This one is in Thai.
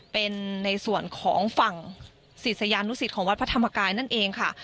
เป็นในส่วนของฝั่งศิษยานุสิตของวัดพระธรรมกายนั่นเองค่ะ